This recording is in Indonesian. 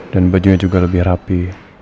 dan bajunya juga lebih rapi